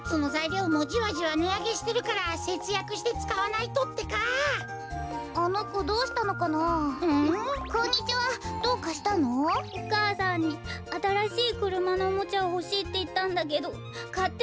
お母さんにあたらしいくるまのおもちゃをほしいっていったんだけどかってもらえなかったんだ。